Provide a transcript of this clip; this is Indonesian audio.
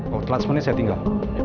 oh telat semuanya saya tinggal